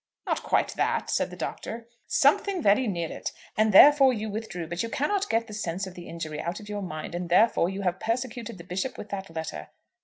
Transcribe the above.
"Not quite that," said the Doctor. "Something very near it; and therefore you withdrew. But you cannot get the sense of the injury out of your mind, and, therefore, you have persecuted the Bishop with that letter."